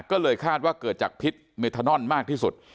ก็เลยคาดว่าเกิดจากพิษเมทานอนมากที่สุด